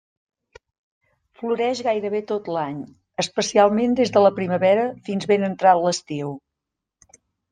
Floreix gairebé tot l'any, especialment des de la primavera fins ben entrat l'estiu.